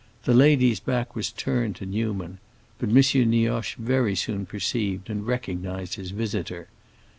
The lady's back was turned to Newman, but M. Nioche very soon perceived and recognized his visitor.